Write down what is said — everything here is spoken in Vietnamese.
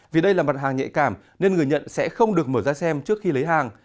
vì đây là mặt hàng nhạy cảm nên người nhận sẽ không được mở ra xem trước khi lấy hàng